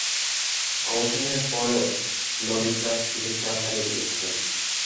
অবসর নেয়ার পরও লরি ক্লাব ক্রিকেটে খেলা চালিয়ে যেতে থাকেন।